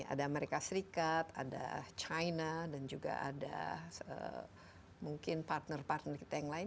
ada amerika serikat ada china dan juga ada mungkin partner partner kita yang lain